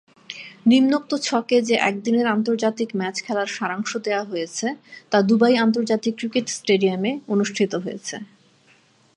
নিম্নোক্ত ছকে যে একদিনের আন্তর্জাতিক ম্যাচ খেলার সারাংশ দেওয়া হয়েছে তা দুবাই আন্তর্জাতিক ক্রিকেট স্টেডিয়ামে অনুষ্ঠিত হয়েছে